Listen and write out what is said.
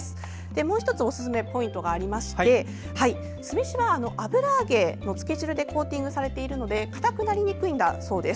もう１つ、おすすめポイントがありまして酢飯は油揚げのつけ汁でコーティングされているのでかたくなりにくいんだそうです。